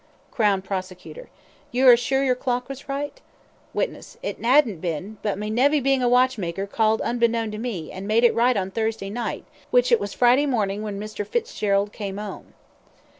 CROWN PROSECUTOR: You are sure your clock was right? WITNESS: It 'adn't bin, but my nevy bein' a watchmaker, called unbeknown to me, an' made it right on Thursday night, which it was Friday mornin' when Mr. Fitzgerald came 'ome.